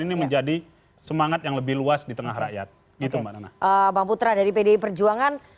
ini menjadi semangat yang lebih luas di tengah rakyat gitu mbak nana bang putra dari pdi perjuangan